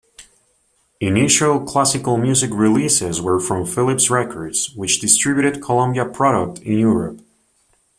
Initial classical music releases were from Philips Records which distributed Columbia product in Europe.